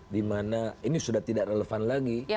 di mana ini sudah tidak relevan lagi